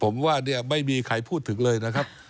ผมว่าเนี่ยไม่มีใครพูดถึงเลยนะครับ